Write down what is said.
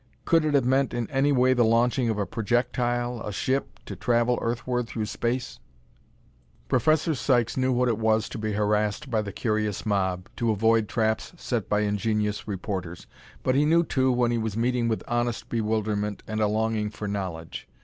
Could it have meant in any way the launching of a projectile a ship to travel Earthward through space?" Professor Sykes knew what it was to be harassed by the curious mob, to avoid traps set by ingenious reporters, but he knew, too, when he was meeting with honest bewilderment and a longing for knowledge.